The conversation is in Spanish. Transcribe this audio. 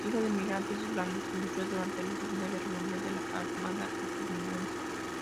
Hijo de emigrantes irlandeses, luchó durante la Segunda Guerra Mundial en la Armada estadounidense.